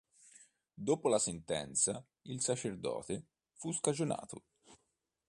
Dopo la sentenza il sacerdote fu scagionato.